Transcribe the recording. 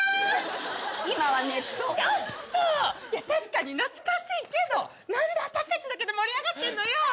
確かに懐かしいけどなんで私たちだけで盛り上がってんのよ。